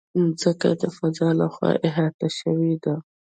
مځکه د فضا له خوا احاطه شوې ده.